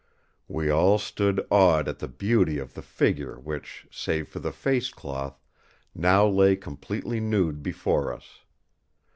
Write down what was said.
We all stood awed at the beauty of the figure which, save for the face cloth, now lay completely nude before us.